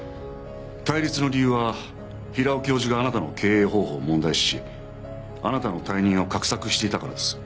対立の理由は平尾教授があなたの経営方法を問題視しあなたの退任を画策していたからです。